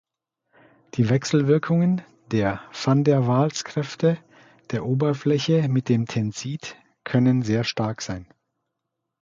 Die Wechselwirkungen der Van-der-Waals-Kräfte der Oberfläche mit dem Tensid können sehr stark sein.